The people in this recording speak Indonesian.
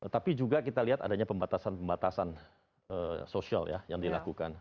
tapi juga kita lihat adanya pembatasan pembatasan sosial ya yang dilakukan